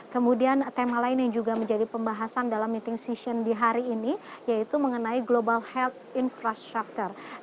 kemudian tema lain yang juga menjadi pembahasan dalam meeting session di hari ini yaitu mengenai global health infrastructure